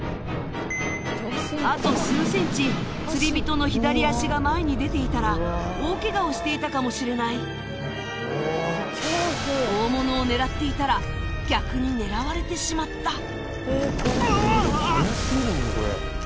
あと数センチ釣り人の左足が前に出ていたら大ケガをしていたかもしれない大物を狙っていたら逆に狙われてしまった・うわっ！